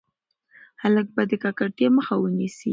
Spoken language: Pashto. خلک به د ککړتيا مخه ونيسي.